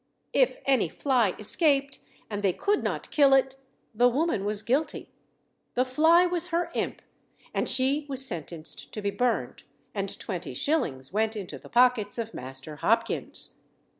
If any fly escaped, and they could not kill it, the woman was guilty; the fly was her imp, and she was sentenced to be burned, and twenty shillings went into the pockets of Master Hopkins.